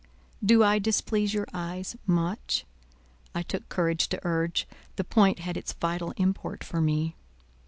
"Do I displease your eyes much?" I took courage to urge: the point had its vital import for me.